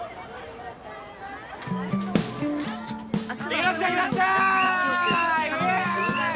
いらっしゃいいらっしゃい！